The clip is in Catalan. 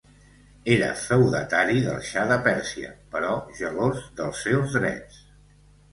Era feudatari del xa de Pèrsia però gelós dels seus drets.